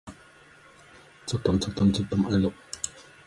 Subtracting the two equations implies Bayes' rule.